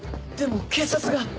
でも警察が。